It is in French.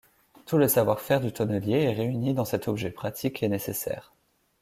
Tout le savoir-faire du tonnelier est réuni dans cet objet pratique et nécessaire.